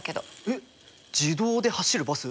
えっ自動で走るバス？